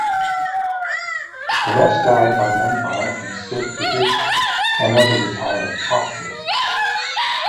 The rest died by gunfire from state troopers and other retired officers.